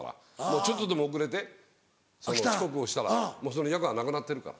ちょっとでも遅れて遅刻をしたらもうその役はなくなってるから。